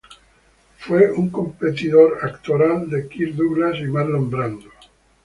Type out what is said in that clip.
Fue un competidor actoral de Kirk Douglas y Marlon Brando.